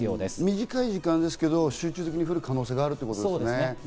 短い時間ですけど集中的に降る可能性があるということですね。